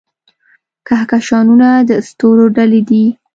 کهکشانونه د ستورو ډلې دي.